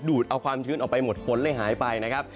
ดเอาความชื้นออกไปหมดฝนเลยหายไปนะครับ